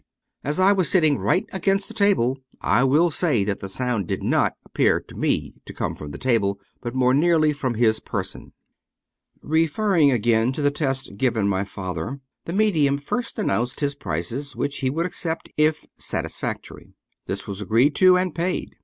As I was sitting right against the table, I will say that the sound did not appear to me to come from the table, but more nearly from his person. 253 True Stories of Modern Magic Referring again to the test given my father, the medium first announced his prices, which he would accept if satis factory. This was agreed to and paid.